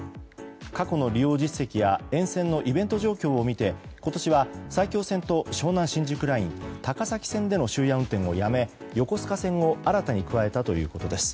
過去の利用実績や沿線のイベント状況を見て今年は埼京線と湘南新宿ライン高崎線での終夜運転をやめ横須賀線を新たに加えたということです。